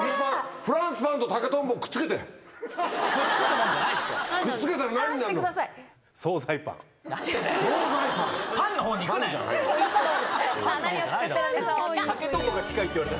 フランスパンと竹とんぼくっつけて。